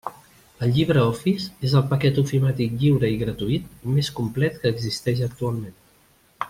El LibreOffice és el paquet ofimàtic lliure i gratuït més complet que existeix actualment.